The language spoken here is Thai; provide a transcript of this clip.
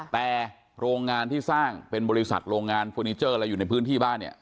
แต่โรงงานที่สร้างเป็นบริษัทโรงงานเฟอร์นิเจอร์อะไรอยู่ในพื้นที่บ้านเนี่ย